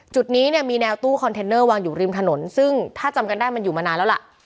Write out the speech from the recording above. จุดนี้เนี่ยมีแนวตู้คอนเทนเนอร์วางอยู่ริมถนนซึ่งถ้าจำกันได้มันอยู่มานานแล้วล่ะ